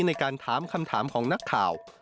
ในการถามคำถามของนักข่าว